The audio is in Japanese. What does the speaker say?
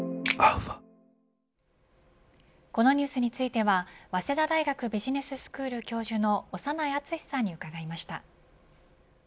このニュースについては早稲田大学ビジネススクール教授の長内厚さんに伺いました。